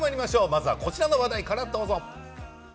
まずはこちらの話題からどうぞ。